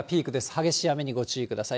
激しい雨にご注意ください。